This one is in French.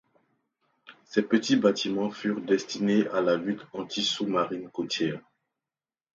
Ces petits bâtiments furent destinés à la lutte anti-sous-marine côtière.